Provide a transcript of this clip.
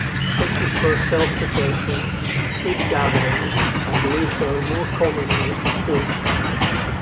This was for self-protection, food gathering, and later more commonly, sport.